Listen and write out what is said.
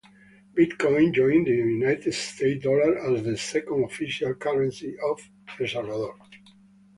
Bitcoin joined the United States dollar as the second official currency of El Salvador.